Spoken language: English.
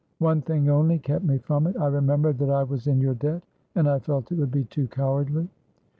"One thing only kept me from it. I remembered that I was in your debt, and I felt it would be too cowardly."